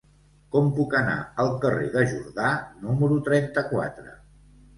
Com puc anar al carrer de Jordà número trenta-quatre?